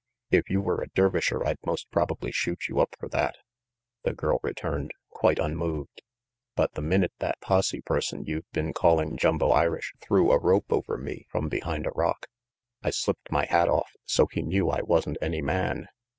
"If you was a Dervisher I'd most probably shoot you up for that," the girl returned, quite unmoved, "but the minute that posse person you've been calling Jumbo Irish threw a rope over me from behind a rock, I slipped my hat off so he knew I wasn't any man.